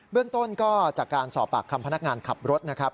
เรื่องต้นก็จากการสอบปากคำพนักงานขับรถนะครับ